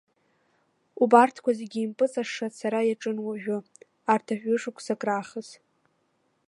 Убарҭқәа зегьы импыҵашша ацара иаҿын уажәы, арҭ аҩышықәсак раахыс.